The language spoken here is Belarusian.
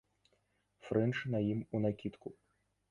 Фрэнч на ім унакідку.